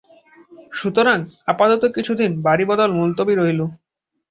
সুতরাং আপাতত কিছুদিন বাড়িবদল মুলতবি রইল।